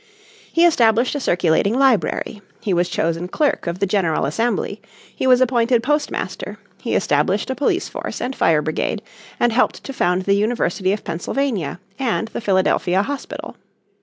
He established a circulating library; he was chosen Clerk of the General Assembly; he was appointed postmaster; he established a police force and fire brigade, and helped to found the University of Pennsylvania and the Philadelphia Hospital.